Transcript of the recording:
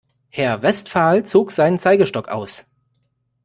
Herr Westphal zog seinen Zeigestock aus.